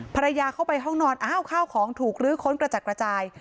ภรรยาเข้าไปห้องนอนอ้าวข้าวของถูกลื้อค้นกระจัดกระจาย